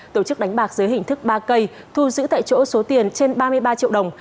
tổ chức đánh bạc dưới hình thức ba cây thu giữ tại chỗ số tiền trên ba mươi ba triệu đồng